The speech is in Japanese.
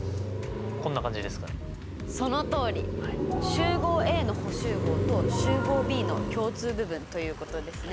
集合Ａの補集合と集合Ｂの共通部分ということですね。